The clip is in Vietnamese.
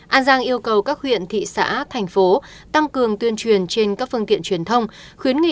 an giang yêu cầu các huyện thị xã thành phố tăng cường tuyên truyền trên các phương tiện truyền thông khuyến nghị